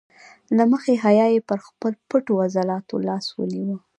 له مخې حیا یې پر خپلو پټو عضلاتو لاس ونیو.